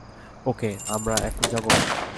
ওকে, আমরা এখন যাব?